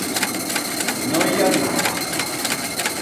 No i adube.